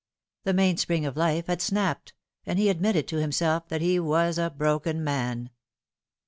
The mainspring of life hud snapped, and he admitted to himself that he was a broken man.